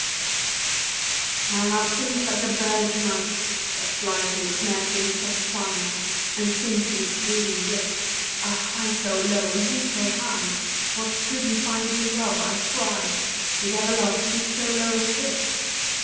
My heart sings like a bird to night That flies to its nest in the soft twilight, And sings in its brooding bliss; Ah! I so low, and he so high, What could he find to love? I cry, Did ever love stoop so low as this?